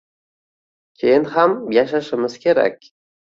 Keyin ham yashashimiz kerak